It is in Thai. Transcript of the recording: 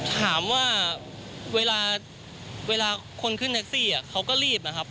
ถามว่าเวลาคนขึ้นแท็กซี่เขาก็รีบนะครับ